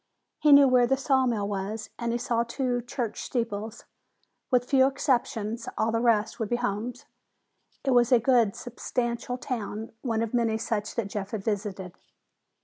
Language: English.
He knew where the sawmill was and he saw two church steeples. With few exceptions, all the rest would be homes. It was a good, substantial town, one of many such that Jeff had visited.